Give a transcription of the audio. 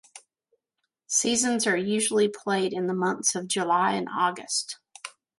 Seasons are usually played in the months of July and August.